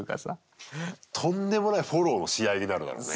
とんでもないフォローのし合いになるだろうね。